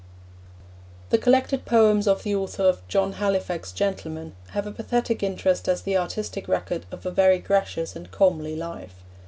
The collected poems of the author of John Halifax, Gentleman, have a pathetic interest as the artistic record of a very gracious and comely life.